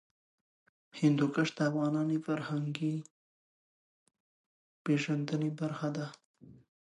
هندوکش د افغانانو د فرهنګي پیژندنې برخه ده.